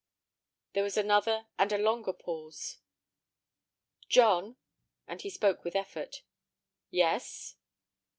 There was another and a longer pause. "John." And he spoke with effort. "Yes."